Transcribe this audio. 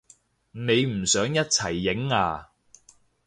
你唔想一齊影啊？